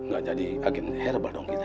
gak jadi agen herbal dong kita